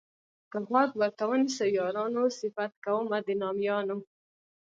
که غوږ ورته ونیسئ یارانو صفت کومه د نامیانو.